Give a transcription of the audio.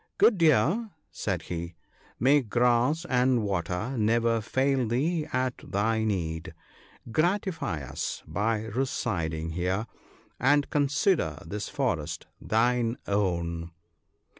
"Good Deer," said he, "may grass and water never fail thee at thy need. Gratify us by residing here, and consider this forest thine own."